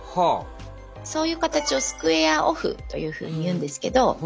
そういう形をスクエアオフというふうに言うんですけど。